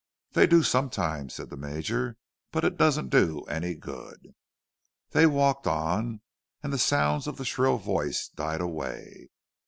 "They do sometimes," said the Major, "but it doesn't do any good." They walked on, and the sounds of the shrill voice died away.